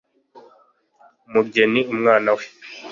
umugeni umwana we